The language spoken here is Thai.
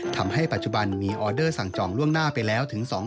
ทำให้ปัจจุบันมีออเดอร์สั่งจองล่วงหน้าไปแล้วถึง๒๐๐